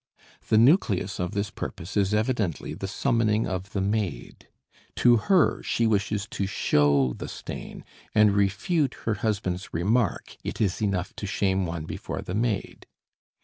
The nucleus of this purpose is evidently the summoning of the maid; to her she wishes to show the stain and refute her husband's remark: "It is enough to shame one before the maid."